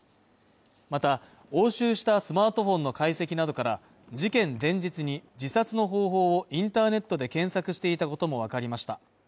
また、押収したスマートフォンの解析などから、事件前日に、自殺の方法をインターネットで検索していたこともわかりました。